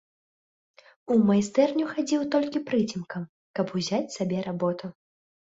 У майстэрню хадзіў толькі прыцемкам, каб узяць сабе работу.